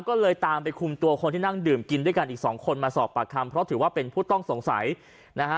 ก็เลยตามไปคุมตัวคนที่นั่งดื่มกินด้วยกันอีกสองคนมาสอบปากคำเพราะถือว่าเป็นผู้ต้องสงสัยนะฮะ